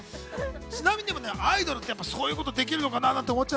ちなみにアイドルってそういうことできるのかな？